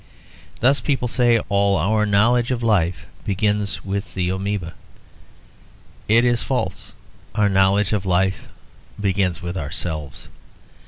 Thus people say, "All our knowledge of life begins with the amoeba." It is false; our knowledge of life begins with ourselves.